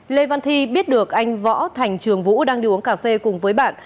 lê văn thi biết được anh võ thành trường vũ đang đi uống cà phê cùng với bạn